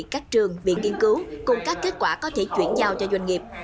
các trường viện nghiên cứu cùng các kết quả có thể chuyển giao cho doanh nghiệp